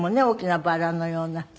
大きなバラのような。